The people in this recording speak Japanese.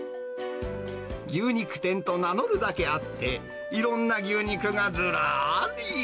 牛肉店と名乗るだけあって、いろんな牛肉がずらーり。